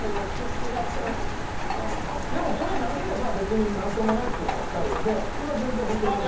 でもそれは慣れれば別になんともないっていうのはわかるんでそれは全然本当に飲んでて。